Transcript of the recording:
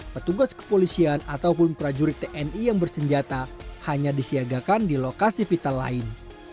petugas kepolisian ataupun prajurit tni yang bersenjata hanya disiagakan di lokasi vital lain